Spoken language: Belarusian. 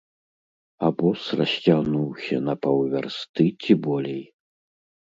Абоз расцягнуўся на паўвярсты ці болей.